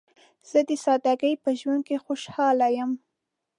زه د سادګۍ په ژوند کې خوشحاله یم.